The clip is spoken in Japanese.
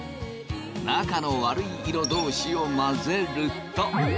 仲の悪い色同士を混ぜると。